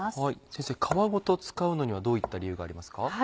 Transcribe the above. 先生皮ごと使うのにはどういった理由がありますか？